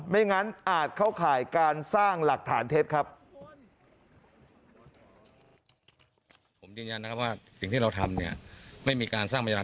ไม่งั้นอาจเข้าข่ายการสร้างหลักฐานเท็จครับ